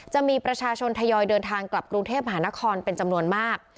จะมีประชาชนทยอยเดินทางกลับกรุงเทพมหานครเป็นจำนวนมาก